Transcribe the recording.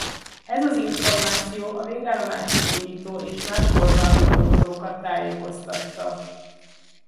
Ez az információ a végállomási indító és más forgalmi dolgozókat tájékoztatta.